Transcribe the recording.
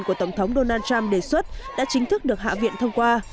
của tổng thống donald trump đề xuất đã chính thức được hạ viện thông qua